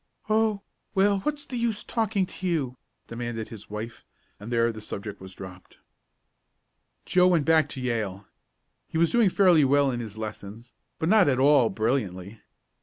"Oh, well, what's the use talking to you?" demanded his wife; and there the subject was dropped. Joe went back to Yale. He was doing fairly well in his lessons, but not at all brilliantly.